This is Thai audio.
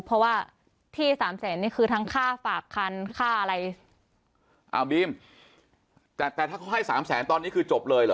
เพราะว่าที่สามแสนนี่คือทั้งค่าฝากคันค่าอะไรอ้าวบีมแต่แต่ถ้าเขาให้สามแสนตอนนี้คือจบเลยเหรอ